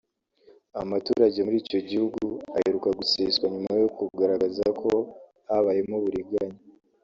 Amatora muri icyo gihugu aheruka guseswa nyuma yo kugaragaza ko habayemo uburiganya